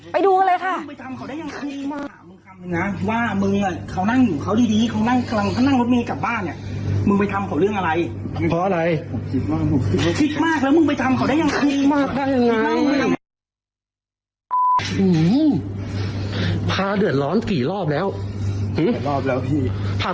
ไปดูกันเลยค่ะ